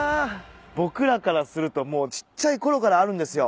僕らからするともうちっちゃいころからあるんですよ。